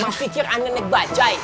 masih pikir anak anak bacai